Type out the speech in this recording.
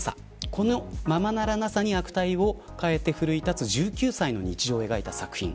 このままならなさに悪態を抱えて奮い立つ１９歳の日常を描いた作品。